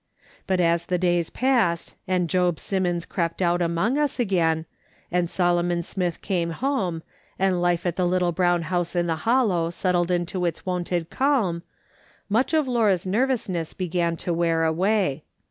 But as the days passed, and Job Simmons crept out among us again, and Solomon Smith came home, and life at the little brown house in the Hollow settled into its wonted calm, much of Laura's nervousness began to wear away.